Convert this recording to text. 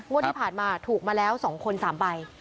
กรุ่นนี้ผ่านมาถูกมาแล้วสองคนสามใบ